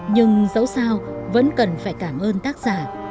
nhưng dẫu sao vẫn cần phải cảm ơn tác giả